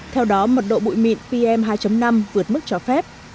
theo đó mật độ bụi mịn pm hai năm vượt mức cho phép